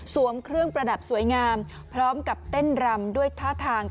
เครื่องประดับสวยงามพร้อมกับเต้นรำด้วยท่าทาง